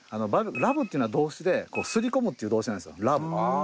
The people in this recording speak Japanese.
ラブっていうのは動詞ですり込むっていう動詞なんですよＲＵＢ。